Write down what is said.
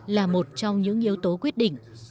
là một trong những yếu tố quyết định